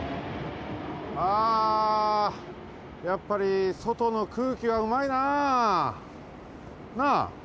あやっぱりそとのくうきはうまいなあ。なあ？